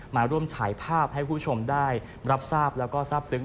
มาร่วมฉายภาพให้คุณผู้ชมได้รับทราบแล้วก็ทราบซึ้ง